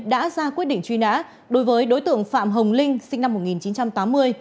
đã ra quyết định truy nã đối với đối tượng phạm hồng linh sinh năm một nghìn chín trăm tám mươi